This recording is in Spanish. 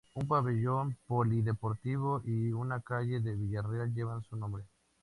Un pabellón polideportivo y una calle de Villarreal llevan su nombre.